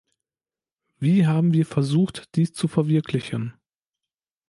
Wie haben wir versucht, dies zu verwirklichen?